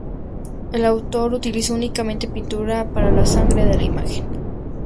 El autor utilizó únicamente pintura para la sangre de la imagen.